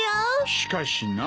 しかしな。